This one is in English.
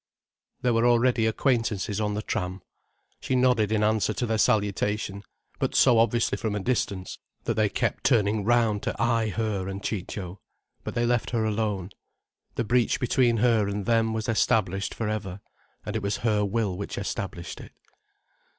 There were already acquaintances on the tram. She nodded in answer to their salutation, but so obviously from a distance, that they kept turning round to eye her and Ciccio. But they left her alone. The breach between her and them was established for ever—and it was her will which established it.